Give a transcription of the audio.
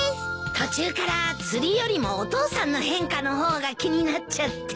途中から釣りよりもお父さんの変化の方が気になっちゃって。